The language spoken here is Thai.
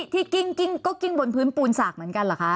กิ้งก็กิ้งบนพื้นปูนสากเหมือนกันเหรอคะ